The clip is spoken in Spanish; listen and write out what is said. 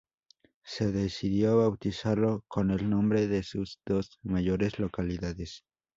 Se decidió bautizarlo con el nombre de sus dos mayores localidades.